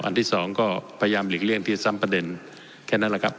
ที่สองก็พยายามหลีกเลี่ยงที่ซ้ำประเด็นแค่นั้นแหละครับ